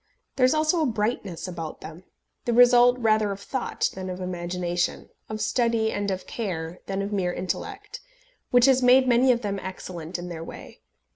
There is also a brightness about them the result rather of thought than of imagination, of study and of care, than of mere intellect which has made many of them excellent in their way.